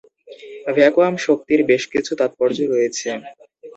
Vacuum শক্তির বেশ কিছু তাৎপর্য রয়েছে।